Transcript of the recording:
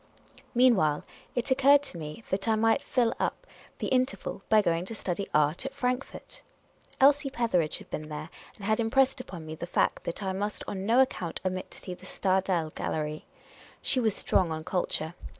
Meanwhile, it occurred to me that I might fill up the in terval by going to study art at Frankfort. Elsie Petheridge had been there, and had impressed upon me the fact that I must on no account omit to see the Stadel Gallery. She was strong on culture.